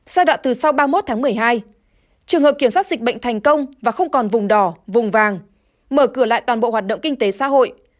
giai đoạn từ sau ba mươi một tháng một mươi hai trường hợp kiểm soát dịch bệnh thành công và không còn vùng đỏ vùng vàng mở cửa lại toàn bộ hoạt động kinh tế xã hội